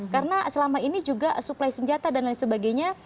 karena selama ini juga suplai senjata dan lain sebagainya